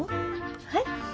はい。